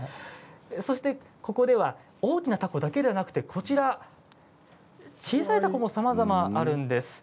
ここでは大きな凧だけではなく小さい凧もさまざまあるんです。